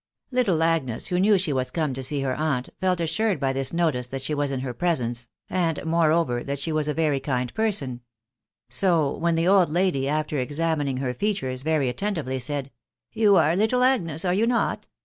little Agnes, who knew she was come to see her aunt, felt assured by this notice that she was in her presence, and, ma are over, that she was a very kind person ; so, when the old lady, after examining her features very attentively, said, " You are little Agnes, are you not